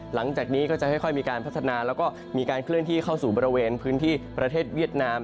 หลังจากนี้ก็จะค่อยมีการพัฒนาแล้วก็มีการเคลื่อนที่เข้าสู่บริเวณพื้นที่ประเทศเวียดนาม